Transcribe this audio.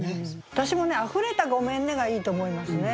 私もね「溢れた『ごめんね』」がいいと思いますね。